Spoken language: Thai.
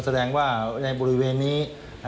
แสดงว่าในบริเวณนี้